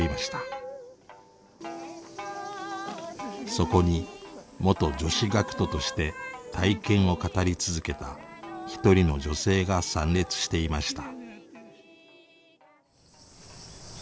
そこに元女子学徒として体験を語り続けた一人の女性が参列していました。